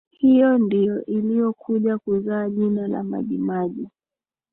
Hiyo ndiyo iliyokuja kuzaa jina la majimaji